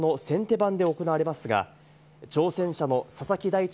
番で行われますが、挑戦者の佐々木大地